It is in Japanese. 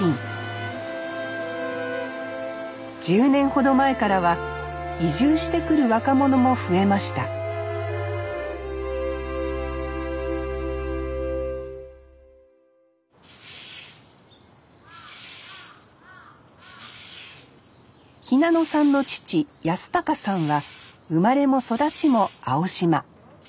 １０年ほど前からは移住してくる若者も増えました日向野さんの父安隆さんは生まれも育ちも青島。